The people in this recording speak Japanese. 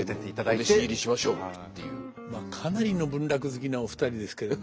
かなりの文楽好きなお二人ですけれども。